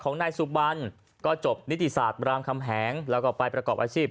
ของนายสุบันก็จบนิติศาสตร์บรามคำแหงแล้วก็ไปประกอบอาชีพ